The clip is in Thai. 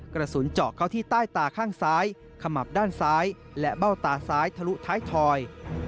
กระสุนเจาะเข้าที่ใต้ตาข้างซ้ายขมับด้านซ้ายและเบ้าตาซ้ายทะลุท้ายทอย